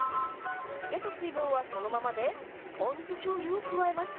出た水分はそのままで、ポン酢しょうゆを加えます。